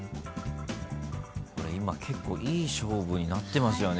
今結構いい勝負になってますよね。